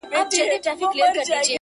پټ یې څنګ ته ورنیژدې سو غلی غلی -